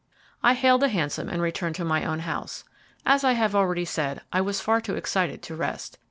I hailed a hansom and returned to my own house. As I have already said, I was far too excited to rest.